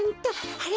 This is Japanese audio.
あれ？